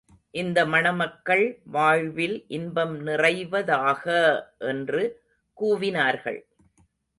இந்த மணமக்கள் வாழ்வில் இன்பம் நிறைவதாக! என்று கூவினார்கள்.